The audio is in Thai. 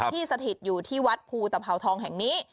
สถิตอยู่ที่วัดภูตภาวทองแห่งนี้